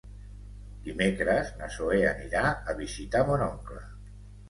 Dimecres na Zoè anirà a visitar mon oncle.